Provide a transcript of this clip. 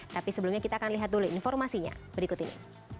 tapi sebelumnya kita akan lihat dulu informasinya berikut ini